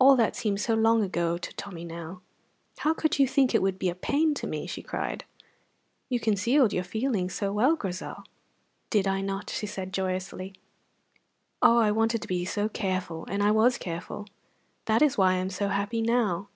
All that seemed so long ago to Tommy now! "How could you think it would be a pain to me!" she cried. "You concealed your feelings so well, Grizel." "Did I not?" she said joyously. "Oh, I wanted to be so careful, and I was careful. That is why I am so happy now."